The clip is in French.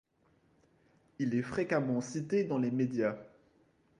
Il est fréquemment cité dans les médias.